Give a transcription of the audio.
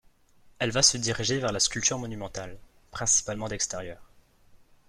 Elle va se diriger vers la sculpture monumentale, principalement d'extérieur.